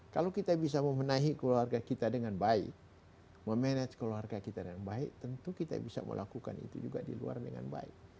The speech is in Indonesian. kalau kita bisa memenahi keluarga kita dengan baik memanage keluarga kita dengan baik tentu kita bisa melakukan itu juga di luar dengan baik